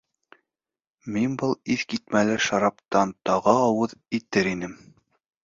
Мин был иҫ китмәле шараптан тағы ауыҙ итер инем!